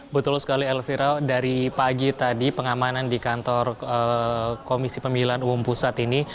betul sekali elvira dari pagi tadi pengamanan di kantor komisi pemilihan umum pusat ini